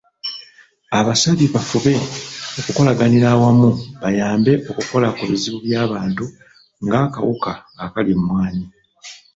Abasabye bafube okukolaganira awamu bayambe okukola ku bizibu by'abantu ng'akawuka akalya emmwanyi.